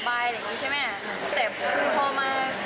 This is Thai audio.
แล้วเขาก็เหมือนดึงกระโปรงไว้ไม่ให้ลง